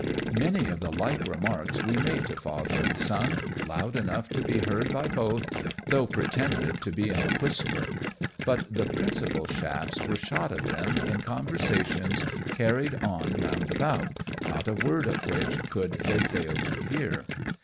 Many of the like remarks we made to father and son, loud enough to be heard by both, though pretended to be in a whisper; but the principal shafts were shot at them in conversations carried on round about, not a word of which could they fail to hear.